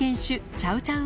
チャウチャウ。